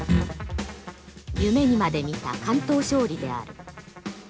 夢にまで見た完投勝利である。